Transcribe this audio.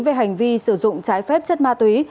về hành vi sử dụng trái phép chất ma túy